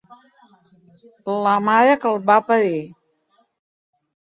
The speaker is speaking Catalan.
La mare que el va parir!